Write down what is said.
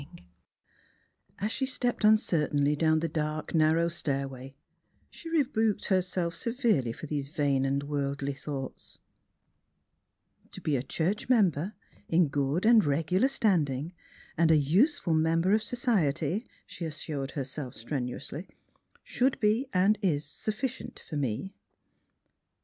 II The Transfiguration of As she stepped uncertainly down the dark, narrow stair way she rebuked herself severely for these vain and worldly thoughts. "To be a church member, in good and regular standing, and a useful member of society," she as sured herself strenuously, "should be and is sufficient for me."